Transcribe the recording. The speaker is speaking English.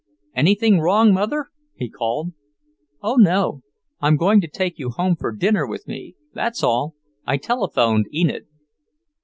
"Anything wrong, Mother?" he called. "Oh, no! I'm going to take you home for dinner with me, that's all. I telephoned Enid."